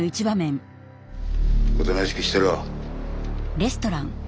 おとなしくしてろ。